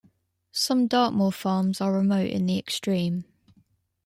Some Dartmoor farms are remote in the extreme.